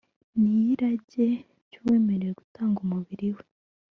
n iy irage by uwemeye gutanga umubiri we